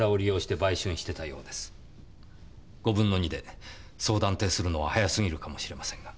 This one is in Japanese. ５分の２でそう断定するのは早すぎるかもしれませんが。